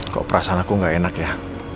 kok perasaan aku gak enak ya